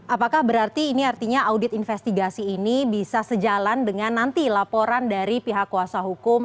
apakah berarti ini artinya audit investigasi ini bisa sejalan dengan nanti laporan dari pihak kuasa hukum